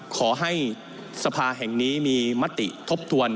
ขอให้สภาแห่งนี้มีมติทบทวน